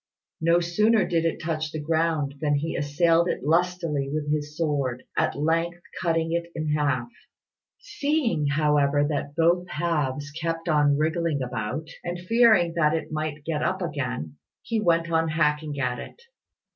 No sooner did it touch the ground than he assailed it lustily with his sword, at length cutting it in half. Seeing, however, that both halves kept on wriggling about, and fearing that it might get up again, he went on hacking at it.